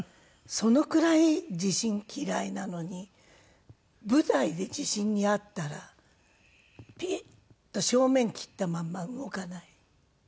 そのくらい地震嫌いなのに舞台で地震に遭ったらピッと正面切ったまんま動かない。